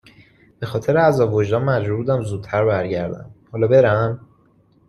به خاطر عذاب وجدان مجبور بودم زودتر برگردم. حالا برم؟